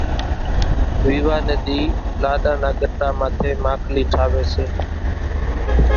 ويوا نيَ ۮِي لاڏا نا ڳٽا ماٿيَ ماکلِي ٺاويَ سي۔